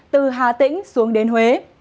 từ hà tĩnh xuống đến huế